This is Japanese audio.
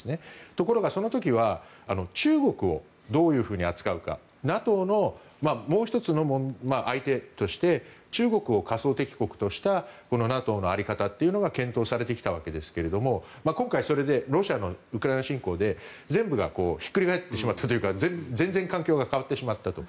ところが、その時は中国をどういうふうに扱うかＮＡＴＯのもう１つの相手として中国を仮想敵国としたＮＡＴＯの在り方というのが検討されてきたわけですけども今回、それでロシアのウクライナ侵攻で全部がひっくり返ってしまったというか全然環境が変わってしまったと。